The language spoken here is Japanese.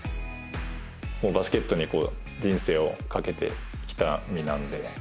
もうバスケットに人生をかけてきた身なので。